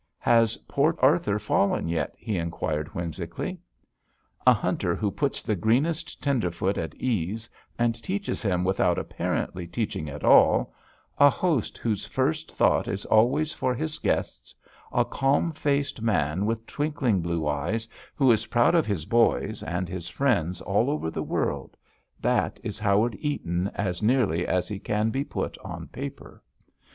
"Has Port Arthur fallen yet?" he inquired whimsically. A hunter who puts the greenest tenderfoot at ease and teaches him without apparently teaching at all; a host whose first thought is always for his guests; a calm faced man with twinkling blue eyes, who is proud of his "boys" and his friends all over the world that is Howard Eaton as nearly as he can be put on paper.